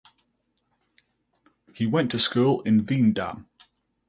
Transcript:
He went to school in Veendam.